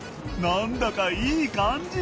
何だかいい感じ！